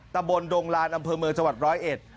ตำบลดงลานอำเภอเมืองจังหวัดร้อยเอ็ด